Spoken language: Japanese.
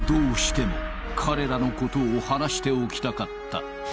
どうしても彼らのことを話しておきたかった